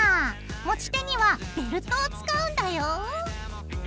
持ち手にはベルトを使うんだよ！